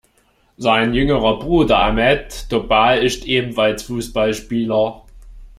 Sein jüngerer Bruder Ahmet Topal ist ebenfalls Fußballspieler.